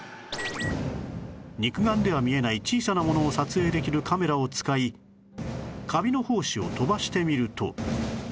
肉眼では見えない小さなものを撮影できるカメラを使いカビの胞子を飛ばしてみると